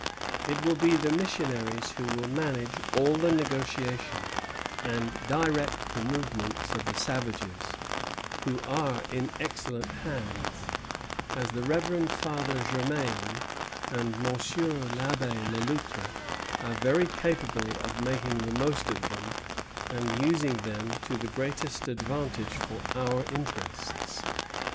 "It will be the missionaries who will manage all the negotiation, and direct the movements of the savages, who are in excellent hands, as the Reverend Father Germain and Monsieur l'Abbé Le Loutre are very capable of making the most of them, and using them to the greatest advantage for our interests.